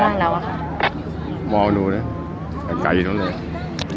บ้างแล้วอ่ะค่ะมองหนูน่ะไก่อยู่ตรงนี้